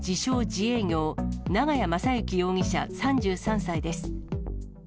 自営業、永谷仁幸容疑者３３歳です。